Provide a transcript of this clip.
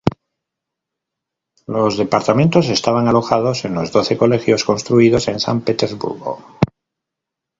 Los departamentos estaban alojados en los Doce Colegios construidos en San Petersburgo.